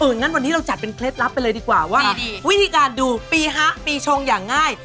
งั้นวันนี้เราจัดเป็นเคล็ดลับไปเลยดีกว่าว่าวิธีการดูปีฮะปีชงอย่างง่าย